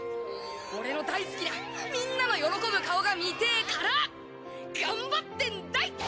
俺の大好きなみんなの喜ぶ顔が見てぇから頑張ってんだい！